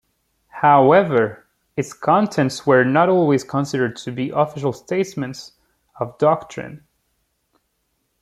However, its contents were not always considered to be official statements of doctrine.